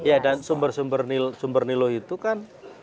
ya dan sumber sumber nilai itu kan